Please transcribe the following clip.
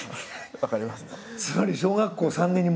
分かります。